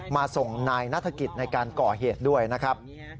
มาส่งนายนัฐกิจในการก่อเหตุด้วยนะครับ